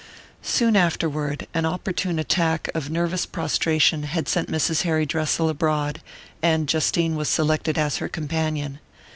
Soon afterward, an opportune attack of nervous prostration had sent Mrs. Harry Dressel abroad; and Justine was selected as her companion.